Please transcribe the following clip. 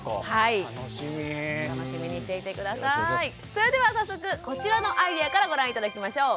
それでは早速こちらのアイデアからご覧頂きましょう。